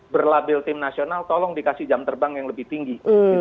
berlabel tim nasional tolong dikasih jam terbang yang lebih tinggi